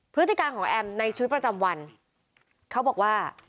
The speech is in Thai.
พฤติการของแอมในชีวิตประจำวันเขาบอกว่า